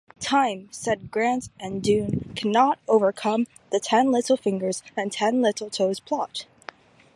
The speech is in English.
"Time" said "Grant and Dunne cannot overcome the ten-little-fingers-and-ten-little-toes plot.